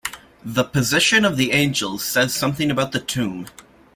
The position of the angels says something about the tomb.